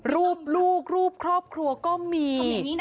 รูปลูกรูปครอบครัวก็มี